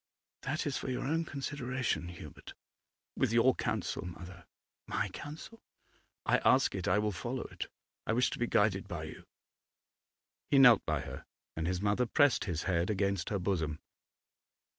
'That is for your own consideration, Hubert.' 'With your counsel, mother.' 'My counsel?' 'I ask it I will follow it. I wish to be guided by you.' He knelt by her, and his mother pressed his head against her bosom.